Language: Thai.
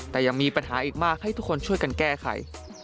แต่ยังมีปัญหาอีกมากให้ทุกคนช่วยกันแก้ไข